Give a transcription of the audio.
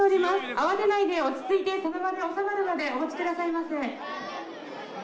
慌てないで落ち着いてその場で、収まるまでお待ちくださいませ。